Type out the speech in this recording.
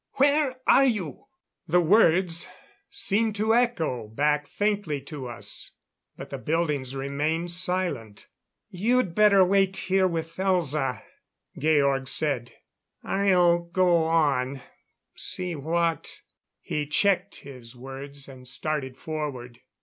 Where are you!" The words seemed to echo back faintly to us; but the buildings remained silent. "You'd better wait here with Elza," Georg said. "I'll go on see what " He checked his words, and started forward.